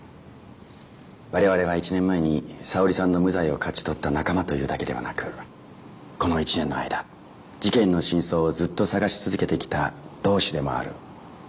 我々は１年前に沙織さんの無罪を勝ち取った仲間というだけではなくこの１年の間事件の真相をずっと探し続けてきた同志でもある。